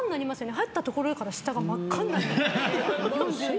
入ったところから下が真っ赤になりますよね。